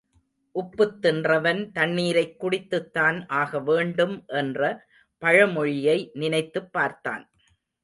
உப்புத் தின்றவன் தண்ணீரைக் குடித்துத்தான் ஆகவேண்டும் என்ற பழமொழியை நினைத்துப் பார்த்தான்.